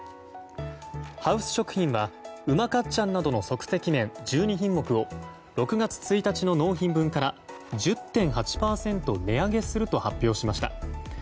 ハウス食品はうまかっちゃんなどの即席麺１２品目を６月１日の納品分から１０．８％値上げすると発表しました。